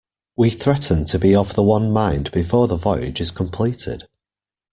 We threaten to be of the one mind before the voyage is completed.